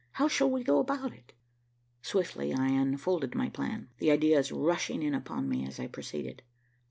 How shall we go about it?" Swiftly I unfolded my plan, the ideas rushing in upon me as I proceeded.